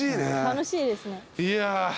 楽しいですね。